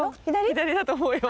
左だと思うよ。